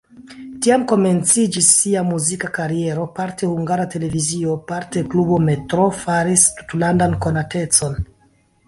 Tiam komenciĝis sia muzika kariero, parte Hungara Televizio, parte klubo "Metro" faris tutlandan konatecon.